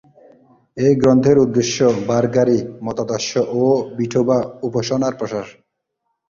এই গ্রন্থের উদ্দেশ্য বারকরী মতাদর্শ ও বিঠোবা উপাসনার প্রসার।